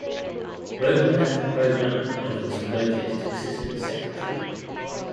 Roper left the program when he was promoted to Assistant Secretary.